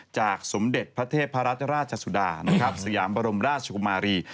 จากสมเด็จประเทศพระราชราชสุดาสยามบรมราชชุโกมารี